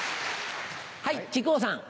はい木久扇さん。